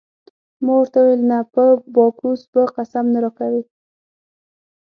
ما ورته وویل: نه په باکوس به قسم نه راکوې.